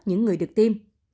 những người được tiêm